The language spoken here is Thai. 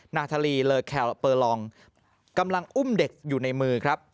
นาธาลีเลอแคลเปอร์ลองกำลังอุ้มเด็กอยู่ในมือครับ